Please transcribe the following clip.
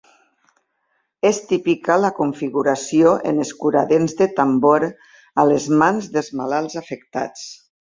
És típica la configuració en escuradents de tambor a les mans dels malalts afectats.